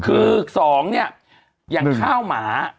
คือ๒เนี่ยอย่างข้าวหมา